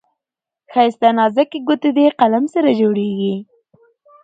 ښايسته نازكي ګوتې دې قلم سره جوړیږي.